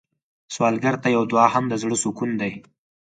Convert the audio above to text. سوالګر ته یو دعا هم د زړه سکون دی